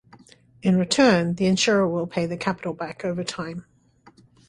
In return, the insurer will pay the capital back over time.